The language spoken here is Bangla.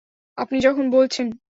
আপনি যখন বলছেন।